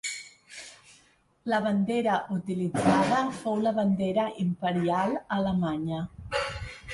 La bandera utilitzada fou la bandera imperial alemanya.